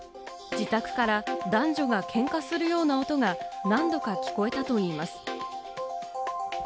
自宅から男女がけんかするような音が何度か聞こえたといいます。